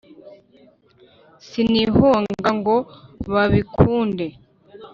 sinihonga ngo babikunde